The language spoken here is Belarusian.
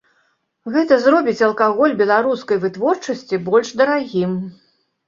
Гэта зробіць алкаголь беларускай вытворчасці больш дарагім.